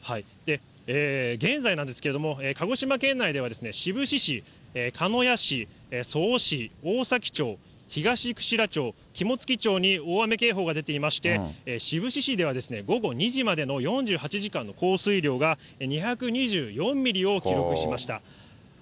現在なんですけれども、鹿児島県内では志布志市、鹿屋市、曽於市、大崎町、東串良町、ひもつき町に大雨警報が出ていまして、志布志市では午後２時までの４８時間の降水量が２２４ミリを記録しました。